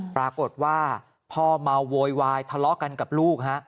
ปรากฏว่าพ่อเมาโวยวายทะเลาะกันกับลูกฮะ